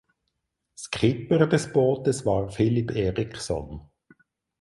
Skipper des Bootes war Filip Ericsson.